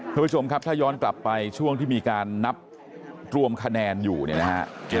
คุณผู้ชมครับถ้าย้อนกลับไปช่วงที่มีการนับรวมคะแนนอยู่เนี่ยนะฮะ